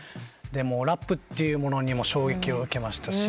ラップっていうものにも衝撃を受けましたし。